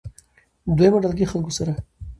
دويمه ډلګۍ خلکو سره